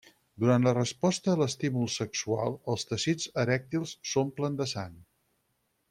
Durant la resposta a l'estímul sexual, els teixits erèctils s'omplen de sang.